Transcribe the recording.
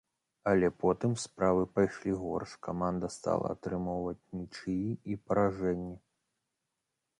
Але потым справы пайшлі горш, каманда стала атрымоўваць нічыі і паражэнні.